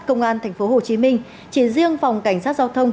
công an tp hcm chỉ riêng phòng cảnh sát giao thông